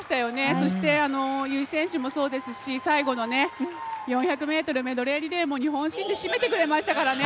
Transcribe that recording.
そして、由井選手もそうですし最後の４００ｍメドレーリレーも日本新で締めてくれましたから。